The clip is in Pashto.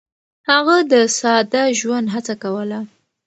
هغه د ساده ژوند هڅه کوله.